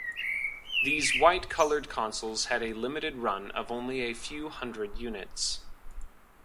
These white colored consoles had a limited run of only a few hundred units.